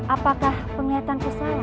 apakah penglihatanku salah